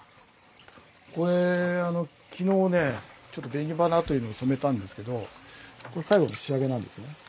これあの昨日ねちょっと紅花というので染めたんですけどこれ最後の仕上げなんですね。